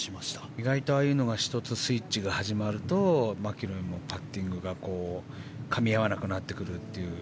意外とああいうので１つスイッチが始まるとマキロイもパッティングがかみ合わなくなってくる。